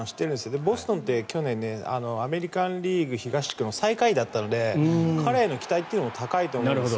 で、ボストンって去年、アメリカン・リーグ東区の最下位だったので彼への期待も高いと思います。